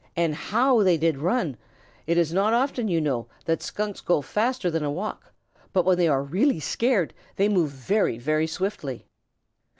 And how they did run! It is not often, you know, that Skunks go faster than a walk, but when they are really scared they move very, very swiftly.